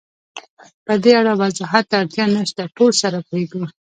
پدې اړه وضاحت ته اړتیا نشته، ټول سره پوهېږو.